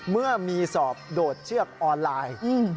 เมื่อมีสอบโดดเชือกออนไลน์